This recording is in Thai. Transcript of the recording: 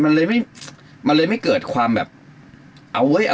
มันเลยไม่เกิดความแบบเอาเว้ยอ่ะ